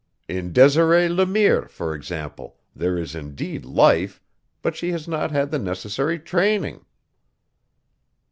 In Desiree Le Mire, for example, there is indeed life; but she has not had the necessary training."